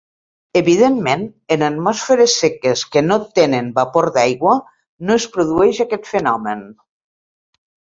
Evidentment en atmosferes seques, que no tenen vapor d'aigua, no es produeix aquest fenomen.